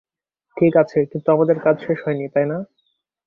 ঠিক আছে, কিন্তু আমাদের কাজ শেষ হয়নি, তাই না?